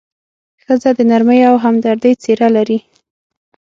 ښځه د نرمۍ او همدردۍ څېره لري.